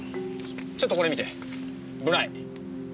ちょっとこれ見てブライ。